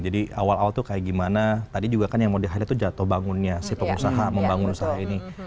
jadi awal awal tuh kayak gimana tadi juga kan yang mau di hadir tuh jatuh bangunnya si pengusaha mau bangun usaha ini